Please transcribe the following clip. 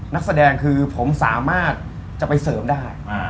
นักแสดงคือผมสามารถจะไปเสริมได้